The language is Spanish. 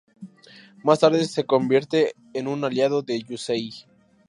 Más tarde se convierte en un aliado de Yusei.